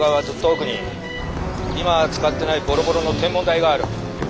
ずっと奥に今は使ってないボロボロの天文台がある。